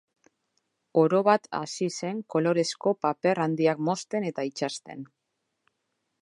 Orobat hasi zen kolorezko paper handiak mozten eta itsasten.